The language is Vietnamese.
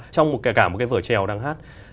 trong cả một cái vở trèo đang hát